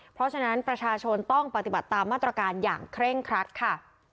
เพราะฉะนั้นประชาชนต้องปฏิบัติตามมาตรการอย่างเคร่งครัดค่ะ